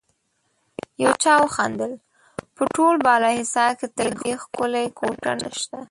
يو چا وخندل: په ټول بالاحصار کې تر دې ښکلی کوټه نشته.